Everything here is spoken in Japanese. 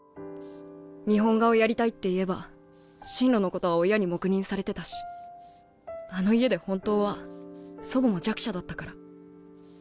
日本画をやりたいって言えば進路のことは親に黙認されてたしあの家で本当は祖母も弱者だったから。